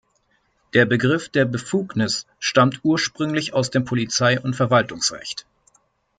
Der Begriff der Befugnis stammt ursprünglich aus dem Polizei- und Verwaltungsrecht.